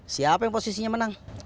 siapa yang posisinya menang